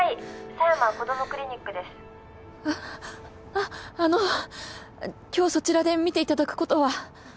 あっあの今日そちらで診て頂く事は？